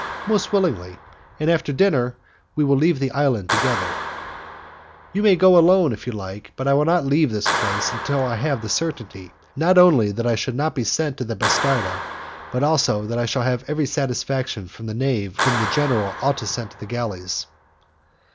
"Most willingly, and after dinner we will leave the island together." "You may go alone, if you like; but I will not leave this place until I have the certainty, not only that I shall not be sent to the 'bastarda', but also that I shall have every satisfaction from the knave whom the general ought to send to the galleys."